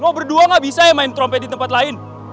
oh berdua gak bisa ya main trompet di tempat lain